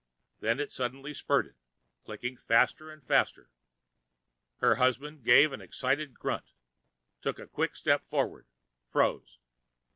Then it suddenly spurted, clicking faster and faster. Her husband gave an excited grunt, took a quick step forward, froze.